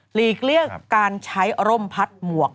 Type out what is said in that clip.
ลีกเลี่ยงการใช้ร่มพัดหมวก